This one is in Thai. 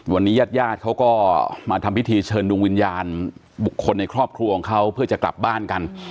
วันนี้ญาติญาติเขาก็มาทำพิธีเชิญดวงวิญญาณบุคคลในครอบครัวของเขาเพื่อจะกลับบ้านกัน